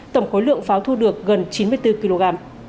tổng khối lượng pháo thu được gần chín mươi bốn kg